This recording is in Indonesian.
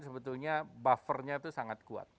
sebetulnya buffernya itu sangat kuat